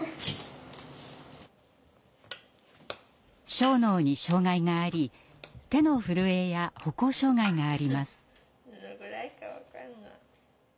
小脳に障害があり手の震えや歩行障害があります。